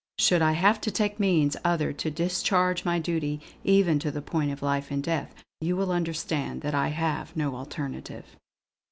Should I have to take means other to discharge my duty, even to the point of life and death, you will understand that I have no alternative."